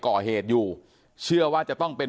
ก่อเหตุอยู่เชื่อว่าจะต้องเป็น